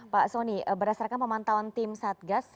pak soni berdasarkan pemantauan tim satgas